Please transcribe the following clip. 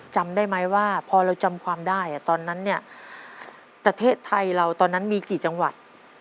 จำได้ไหมว่าพอเราจำความได้ตอนนั้นเนี่ยประเทศไทยเราตอนนั้นมีกี่จังหวัด